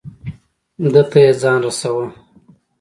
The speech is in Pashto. ده ته یې ځان رساو.